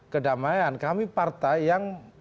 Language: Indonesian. kedamaian kami partai yang